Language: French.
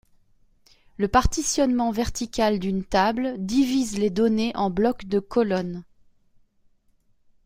Le partitionnement vertical d'une table divise les données en blocs de colonnes.